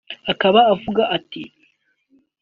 akaba avuga ati